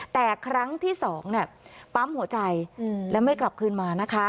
แต่ครั้งที่๒ปั๊มหัวใจและไม่กลับคืนมานะคะ